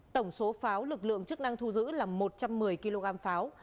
tổng số pháo lực lượng chức năng thu giữ là một trăm một mươi kg pháo